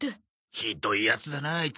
ひどいヤツだなあアイツ。